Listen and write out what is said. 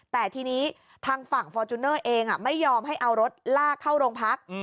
แต่ทีนี้ทางฝั่งฟอร์จูเนอร์เองไม่ยอมให้เอารถลากเข้าโรงพัก